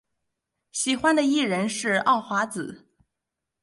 喜欢的艺人是奥华子。